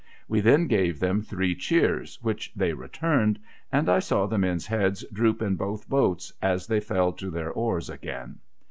We then gave them three cheers, which they returned, and I saw the men's heads droop in both boats as they fell to their oars again.